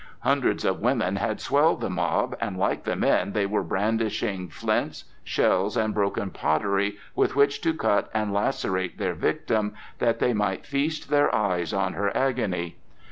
Hundreds of women had swelled the mob, and like the men they were brandishing flints, shells, and broken pottery, with which to cut and lacerate their victim that they might feast their eyes on her agony.